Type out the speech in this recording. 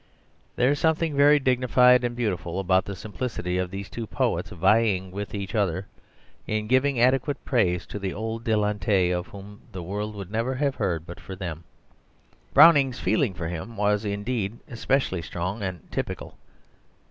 There is something very dignified and beautiful about the simplicity of these two poets vying with each other in giving adequate praise to the old dilettante, of whom the world would never have heard but for them. Browning's feeling for him was indeed especially strong and typical.